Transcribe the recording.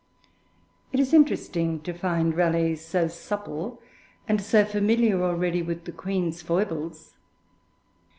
It is interesting to find Raleigh so supple, and so familiar already with the Queen's foibles.